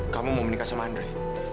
kamu mau menikah sama andre